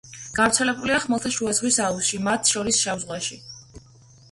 გავრცელებულია ხმელთაშუა ზღვის აუზში, მათ შორის შავ ზღვაში.